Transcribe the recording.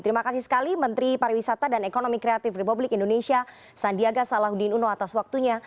terima kasih sekali menteri pariwisata dan ekonomi kreatif republik indonesia sandiaga salahuddin uno atas waktunya